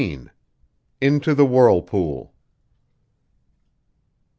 INTO THE WHIRLPOOL.